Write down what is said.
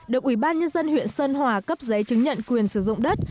được ủy ban nhân dân huyện sơn hòa cấp giấy chứng nhận quyền sử dụng đất